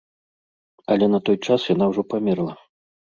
Але на той час яна ўжо памерла.